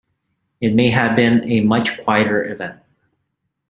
It may have been a much quieter event.